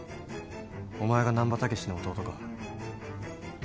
お前が難破猛の弟か。